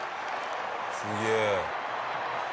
すげえ。